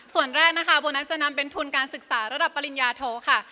ส่วนแรกนะคะโบนัสจะนำเป็นทุนการศึกษาระดับปริญญาโทค่ะ